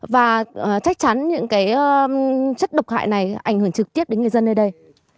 và chắc chắn những chất độc hại này ảnh hưởng trực tiếp đến người dân nơi đây